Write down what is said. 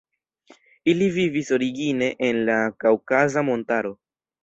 Ili vivis origine en la Kaŭkaza montaro.